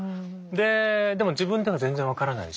ででも自分では全然分からないし。